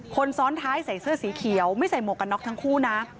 คนซ้อนท้ายใส่เสื้อสีเขียวไม่ใส่หมวกกันน็อกทั้งคู่นะ